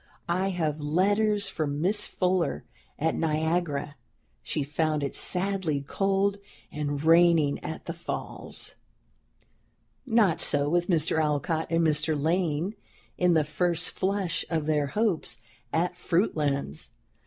I have letters from Miss Fuller at Niagara. She found it sadly cold and rainy at the Falls." Not so with Mr. Alcott and Mr. Lane in the first flush of their hopes at Fruitlands.